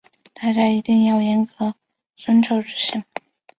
大家一定要严格遵照执行